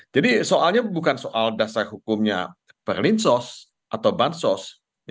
jadi soalnya bukan soal dasar hukumnya perlinsos atau bansos